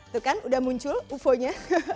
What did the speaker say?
tuh kan udah muncul ufo nya